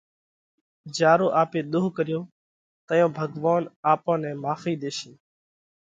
جيا رو آپي ۮوه ڪريوه۔ تئيون ڀڳوونَ آپون نئہ ماڦئِي ۮيشي۔